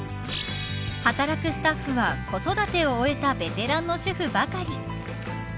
働くスタッフは、子育てを終えたベテランの主婦ばかり。